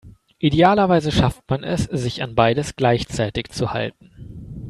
Idealerweise schafft man es, sich an beides gleichzeitig zu halten.